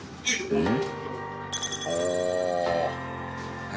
うん。